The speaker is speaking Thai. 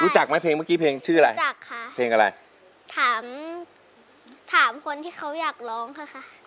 จากไหมเพลงเมื่อกี้เพลงชื่ออะไรรู้จักค่ะเพลงอะไรถามถามคนที่เขาอยากร้องค่ะ